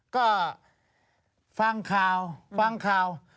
ก็ฟังข่าวฟังข่าว